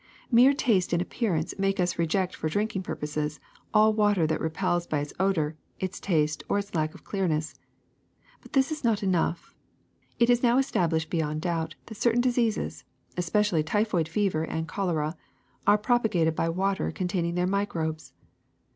^^Mere taste and appearance make us reject for drinking purposes all water that repels by its odor, its taste, or its lack of clearness. But this is not enough. It is now established beyond doubt that certain diseases, especially typhoid fever and cholera, are propagated by water containing their microbes.